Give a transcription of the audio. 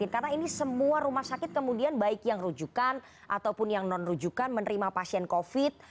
karena ini semua rumah sakit kemudian baik yang rujukan ataupun yang non rujukan menerima pasien covid sembilan belas